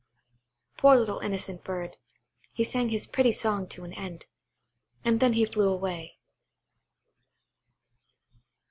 Poor little innocent bird, he sang his pretty song to an end, and then he flew away.